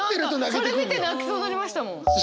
それ見て泣きそうになりましたもん！